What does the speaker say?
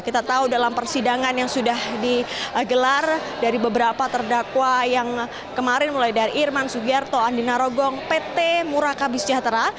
kita tahu dalam persidangan yang sudah digelar dari beberapa terdakwa yang kemarin mulai dari irman sugiarto andi narogong pt murakabi sejahtera